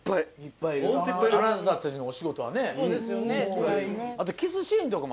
あなたたちのお仕事はね。